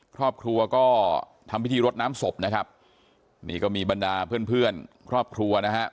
ครอบครัวก็ทำพิธีรดน้ำศพนะครับนี่ก็มีบรรดาเพื่อนเพื่อนครอบครัวนะฮะ